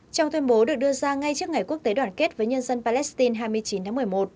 trong tuyên bố được đưa ra ngay trước ngày quốc tế đoàn kết với nhân dân palestine hai mươi chín tháng một mươi một